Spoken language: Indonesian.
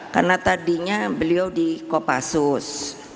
karena tadinya beliau di kopassus